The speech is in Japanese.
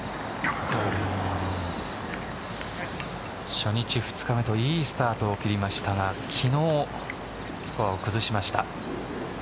初日、２日目といいスタートを切りましたが昨日スコアを崩しました。